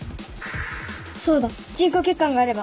そうだ人工血管があれば。